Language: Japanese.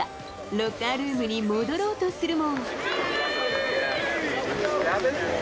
ロッカールームに戻ろうとするも。